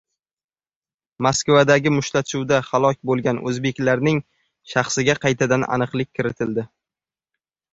Moskvadagi mushtlashuvda halok bo‘lgan o‘zbeklarning shaxsiga qaytadan aniqlik kiritildi